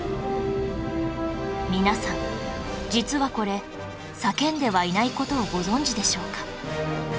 皆さん実はこれ叫んではいない事をご存じでしょうか？